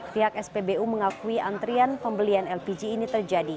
pihak spbu mengakui antrian pembelian lpg ini terjadi